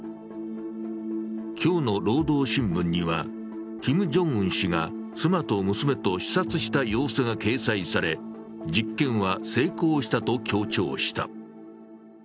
今日の「労働新聞」には、キム・ジョンウン氏が妻と娘と視察した様子が掲載され、実験は成功したと強調した。